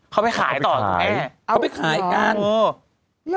เขาไปขายต่อแเน่